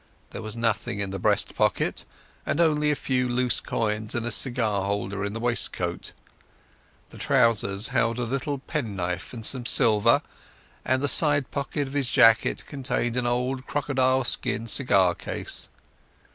There was nothing in the breast pocket, and only a few loose coins and a cigar holder in the waistcoat. The trousers held a little penknife and some silver, and the side pocket of his jacket contained an old crocodile skin cigar case.